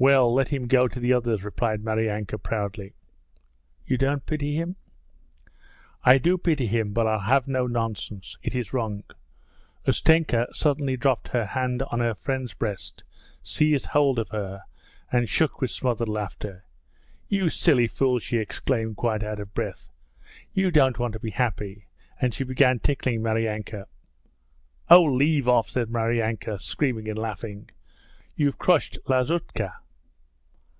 'Well, let him go to the others,' replied Maryanka proudly. 'You don't pity him?' 'I do pity him, but I'll have no nonsense. It is wrong.' Ustenka suddenly dropped her head on her friend's breast, seized hold of her, and shook with smothered laughter. 'You silly fool!' she exclaimed, quite out of breath. 'You don't want to be happy,' and she began tickling Maryanka. 'Oh, leave off!' said Maryanka, screaming and laughing. 'You've crushed Lazutka.'